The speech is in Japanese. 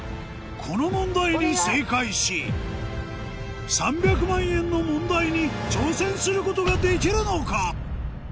この問題に正解し３００万円の問題に挑戦することができるのか？